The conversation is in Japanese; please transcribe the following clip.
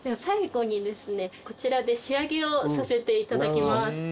最後にですねこちらで仕上げをさせていただきます。